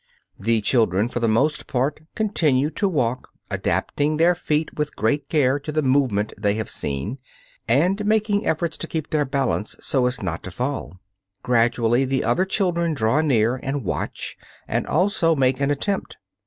The children for the most part continue to walk, adapting their feet with great care to the movement they have seen, and making efforts to keep their balance so as not to fall. Gradually the other children draw near and watch and also make an attempt.